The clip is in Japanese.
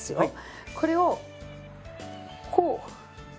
これをこう。